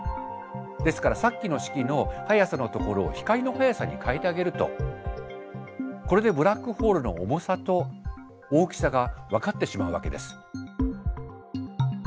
ですからさっきの式の速さのところを光の速さに替えてあげるとこれでブラックホールの重さと大きさが分かってしまうわけです。